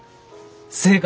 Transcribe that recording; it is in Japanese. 正解。